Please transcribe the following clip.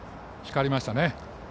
光りましたね。